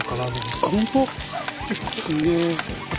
すげえ。